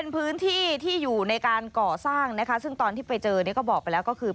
พื้นที่ที่อยู่ในการก่อสร้างนะคะซึ่งตอนที่ไปเจอเนี่ยก็บอกไปแล้วก็คือ